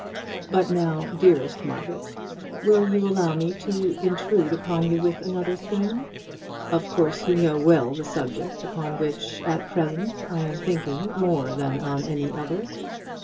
But now, dearest Margaret, will you allow me to intrude upon you with another theme? Of course you well know the subject upon which, at present, I am thinking more than on any other.